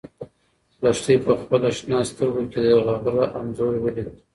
لښتې په خپلو شنه سترګو کې د غره انځور ولید.